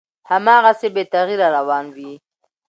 هماغسې بې تغییره روان وي،